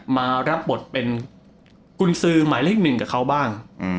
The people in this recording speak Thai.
มารับบทเป็นกุญสือหมายเลขหนึ่งกับเขาบ้าง